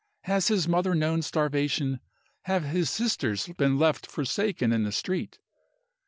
Has his mother known starvation? Have his sisters been left forsaken in the street?"